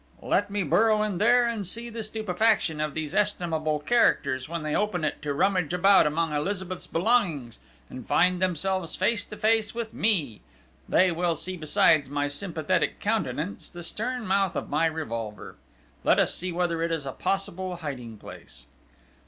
Let me burrow in there, and see the stupefaction of these estimable characters when they open it to rummage about among Elizabeth's belongings and find themselves face to face with me! They will see besides my sympathetic countenance the stern mouth of my revolver!... Let us see whether it is a possible hiding place!